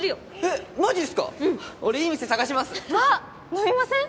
飲みません？